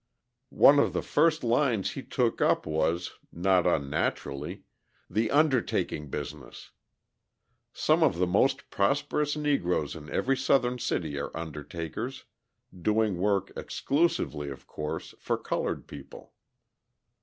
One of the first lines he took up was not unnaturally the undertaking business. Some of the most prosperous Negroes in every Southern city are undertakers, doing work exclusively, of course, for coloured people.